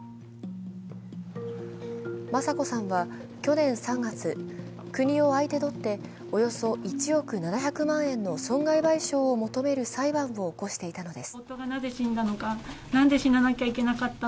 雅子さんは去年３月、国を相手取っておよそ１億７００万円の損害賠償を求める裁判を起こしていたのです。